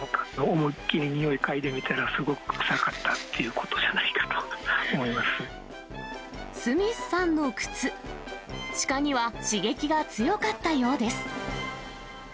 思いっきりにおい嗅いでみたら、すごく臭かったっていうことじゃスミスさんの靴、シカには刺激が強かったようです。